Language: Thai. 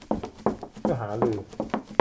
เพื่อหารือ